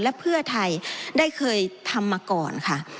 และเพื่อไทยได้เคยทำมาก่อนค่ะ